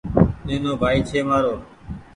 نينو ڀآئي ڇي مآرو ۔